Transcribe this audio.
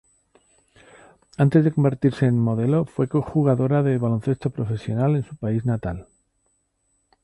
Antes de convertirse en modelo fue jugadora de baloncesto profesional en su país natal.